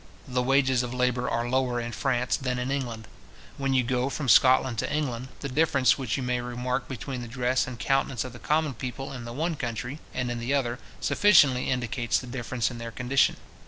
The wages of labour are lower in France than in England. When you go from Scotland to England, the difference which you may remark between the dress and countenance of the common people in the one country and in the other, sufficiently indicates the difference in their condition.